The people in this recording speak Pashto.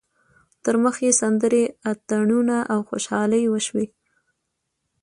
تر مخ یې سندرې، اتڼونه او خوشحالۍ وشوې.